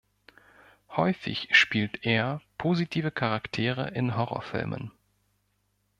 Häufig spielt er positive Charaktere in Horrorfilmen.